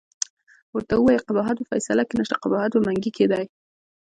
ورته ووایه قباحت په فیصله کې نشته، قباحت په منګي کې دی.